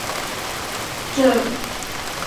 卡佩伦多夫是德国图林根州的一个市镇。